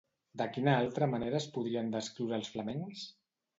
De quina altra manera es podrien descriure els flamencs?